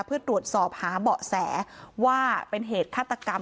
เพื่อตรวจสอบหาเบาะแสว่าเป็นเหตุฆาตกรรม